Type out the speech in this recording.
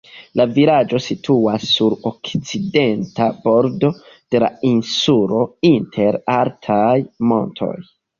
La vilaĝo situas sur okcidenta bordo de la insulo, inter altaj montoj.